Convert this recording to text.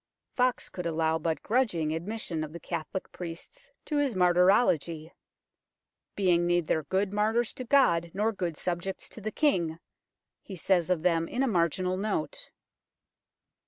Foxe could allow but grudg ing admission of the Catholic priests to his martyrology, " being neither good martyrs to God nor good subjects to the King," he says of them in a marginal note.